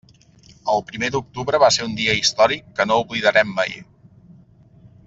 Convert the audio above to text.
El primer d'octubre va ser un dia històric que no oblidarem mai.